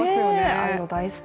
ああいうの大好き。